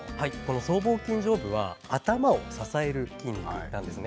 僧帽筋上部は頭を支える筋肉なんですね。